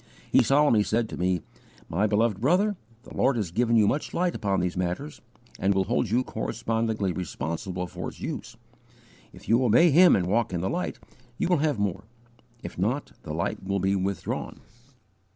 He solemnly said to me: "My beloved brother, the Lord has given you much light upon these matters, and will hold you correspondingly responsible for its use. If you obey Him and walk in the light, you will have more; if not, the light will be withdrawn."